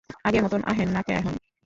আগের মতোন আন না ক্যা এহন?